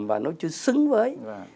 và nó chưa xứng với